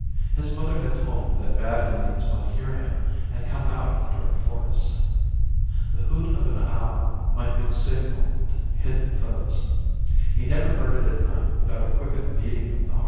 His mother had told him that bad Indians might hear him and come out of the dark forest. The hoot of an owl might be the signal to hidden foes. He never heard it at night without a quickened beating of the heart.